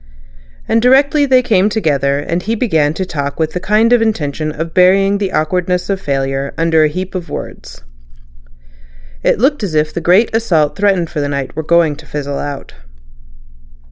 And directly they came together he began to talk with the kind intention of burying the awkwardness of failure under a heap of words. It looked as if the great assault threatened for that night were going to fizzle out.